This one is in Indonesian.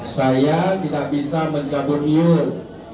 saya tidak bisa mencabut nyur